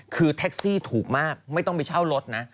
คือแท็กซี่ถูกมากไม่ต้องไปเช่ารถนะ